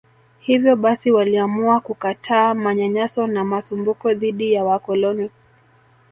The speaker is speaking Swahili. Hivyo basi waliamua kukataa manyanyaso na masumbuko dhidi ya wakoloni